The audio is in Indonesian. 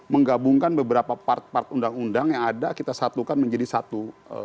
menggabungkan beberapa part part undang undang yang ada kita satukan menjadi satu